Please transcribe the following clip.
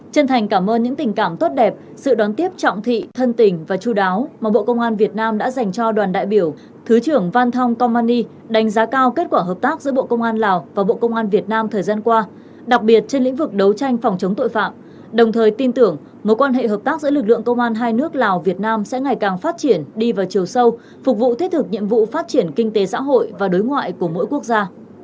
chân thành cảm ơn những tình cảm tốt đẹp sự đón tiếp trọng thị thân tình và chú đáo mà bộ công an việt nam đã dành cho đoàn đại biểu thứ trưởng van thong komani đánh giá cao kết quả hợp tác giữa bộ công an lào và bộ công an việt nam thời gian qua đặc biệt trên lĩnh vực đấu tranh phòng chống tội phạm đồng thời tin tưởng mối quan hệ hợp tác giữa lực lượng công an hai nước lào việt nam sẽ ngày càng phát triển đi vào chiều sâu phục vụ thiết thực nhiệm vụ phát triển kinh tế xã hội và đối ngoại của mỗi quốc gia